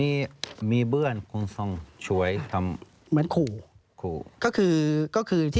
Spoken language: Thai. ออสเบกิสตาน